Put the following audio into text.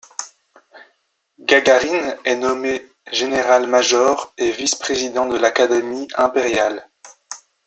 Gagarine est nommé général-major et vice-président de l'Académie impériale.